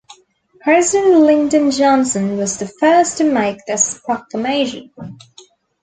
President Lyndon Johnson was the first to make this proclamation.